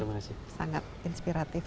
terima kasih sangat inspiratif